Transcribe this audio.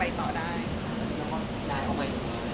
แล้วก็ได้ออกมาอยู่กันอย่างไร